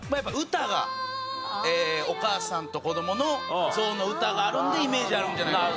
歌がお母さんと子どものゾウの歌があるのでイメージあるんじゃないかと。